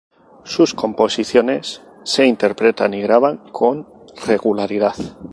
Sus composiciones se interpretan y graban con regularidad.